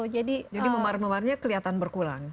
jadi memar memarnya kelihatan berkulang